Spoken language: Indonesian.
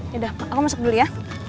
ya udah aku masuk dulu ya